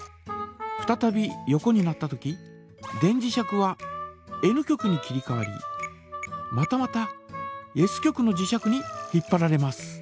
ふたたび横になったとき電磁石はＮ極に切りかわりまたまたＳ極の磁石に引っぱられます。